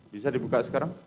bisa dibuka sekarang